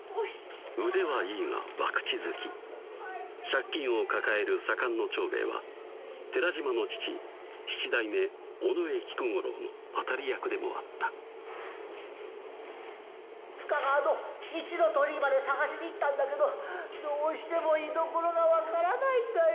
腕はいいが博打好き借金を抱える左官の長兵衛は寺島の父七代目・尾上菊五郎の当たり役でもあった「深川の一の酉まで捜しに行ったんだけどどうしても居所が分からないんだよ」